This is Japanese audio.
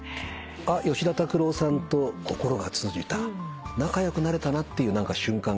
あっ吉田拓郎さんと心が通じた仲良くなれたなっていう瞬間